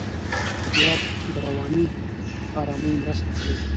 طبیعت د رواني آرامۍ مرسته کوي.